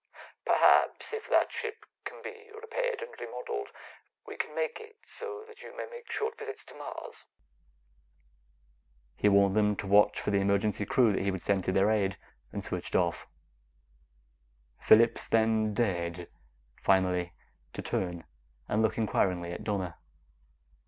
Perhaps, if that ship can be repaired and remodeled, we can include it so that you may make short visits to Mars." He warned them to watch for the emergency crew he would send to their aid, and switched off. Phillips then dared finally to turn and look inquiringly at Donna.